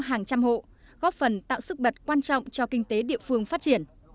con số hàng trăm hộ góp phần tạo sức bật quan trọng cho kinh tế địa phương phát triển